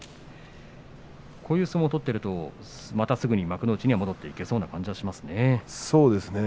こういう相撲を取っているとまたすぐ幕内に戻ってきそうなそうですね。